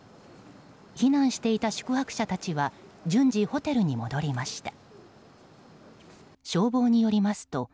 避難していた宿泊者たちは順次ホテルに戻りました。